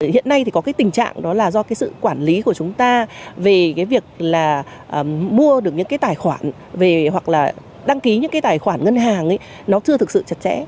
hiện nay thì có cái tình trạng đó là do cái sự quản lý của chúng ta về cái việc là mua được những cái tài khoản về hoặc là đăng ký những cái tài khoản ngân hàng ấy nó chưa thực sự chặt chẽ